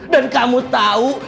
dan kamu tahu